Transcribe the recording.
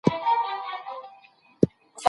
ځان به ولي